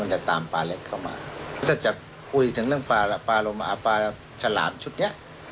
มันจะตามปาเล็กเข้ามามันก็จะคุยถึงเรื่องปลาปลาโรมะปลาฉลามชุดเนี้ย